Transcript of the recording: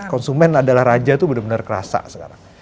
makin konsumen adalah raja tuh bener bener kerasa sekarang